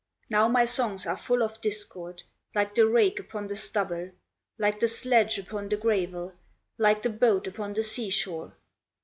Now my songs are full of discord, Like the rake upon the stubble, Like the sledge upon the gravel, Like the boat upon the sea shore!"